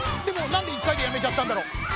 でもなんで１かいでやめちゃったんだろう？